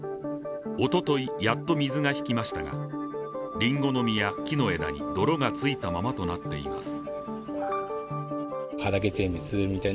おととい、やっと水が引きましたがりんごの実や木の枝に泥がついたままになっています。